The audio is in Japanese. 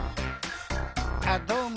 あっどうも。